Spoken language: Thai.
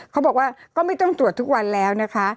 เขาบอกว่าก็ไม่ต้องตรวจทุกวันแล้วนะคะ